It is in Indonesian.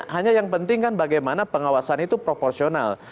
hanya yang penting kan bagaimana pengawasan itu proporsional